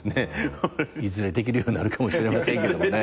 いずれできるようになるかもしれませんけどもね。